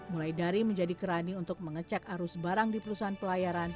mulai dari menjadi kerani untuk mengecek arus barang di perusahaan pelayaran